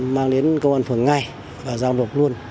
mang đến công an phường ngay và giao nộp luôn